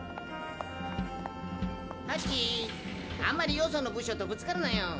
ハチあんまりよその部署とぶつかるなよ。